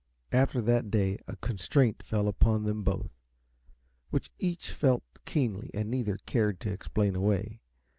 After that day a constraint fell upon them both, which each felt keenly and neither cared to explain away.